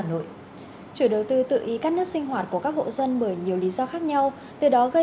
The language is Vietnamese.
chủ đầu tư tự ý cắt nước sinh hoạt của các hộ dân bởi nhiều lý do khác nhau từ đó gây